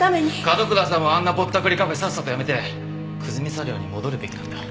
角倉さんはあんなぼったくりカフェさっさとやめて久住茶寮に戻るべきなんだ。